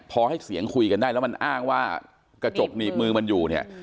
พอให้เสียงคุยกันได้แล้วมันอ้างว่ากระจกหนีบมือมันอยู่เนี่ย